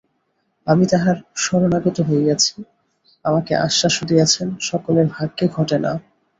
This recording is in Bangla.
আমি ইঁহার শরণাগত হইয়াছি, আমাকে আশ্বাসও দিয়াছেন, সকলের ভাগ্যে ঘটে না।